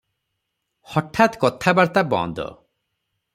ହଠାତ୍ କଥାବାର୍ତ୍ତା ବନ୍ଦ ।